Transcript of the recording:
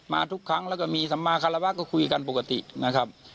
ทุกครั้งแล้วก็มีสัมมาคารวะก็คุยกันปกตินะครับ